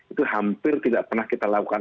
itu hampir tidak pernah kita lakukan